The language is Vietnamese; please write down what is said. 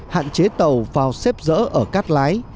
hạn chế tàu vào xếp rỡ ở cát lái